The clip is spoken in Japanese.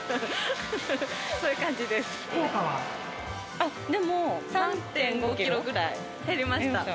あっ、でも３．５キロぐらい減りました。